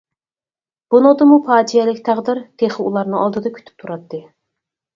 بۇنىڭدىنمۇ پاجىئەلىك تەقدىر تېخى ئۇلارنىڭ ئالدىدا كۈتۈپ تۇراتتى.